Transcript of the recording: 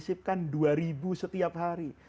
disipkan dua ribu setiap hari